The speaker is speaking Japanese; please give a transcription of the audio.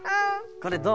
これどうぞ。